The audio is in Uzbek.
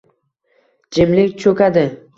Jimlik cho‘kadi.